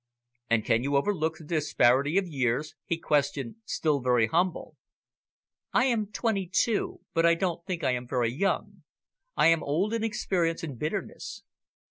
"And can you overlook the disparity of years?" he questioned, still very humble. "I am twenty two, but I don't think I am very young; I am old in experience and bitterness.